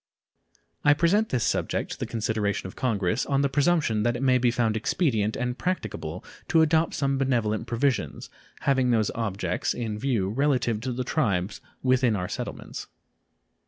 I present this subject to the consideration of Congress on the presumption that it may be found expedient and practicable to adopt some benevolent provisions, having these objects in view, relative to the tribes within our settlements.